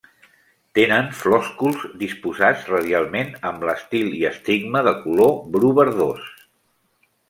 Tenen flòsculs disposats radialment amb l'estil i estigma de color bru verdós.